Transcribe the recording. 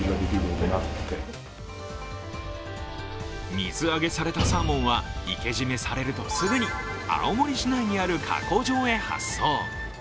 水揚げされたサーモンは生け締めされるとすぐに青森市内にある加工場へ発送。